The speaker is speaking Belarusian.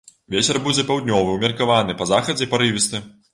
Вецер будзе паўднёвы ўмеркаваны, па захадзе парывісты.